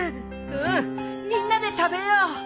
うんみんなで食べよう。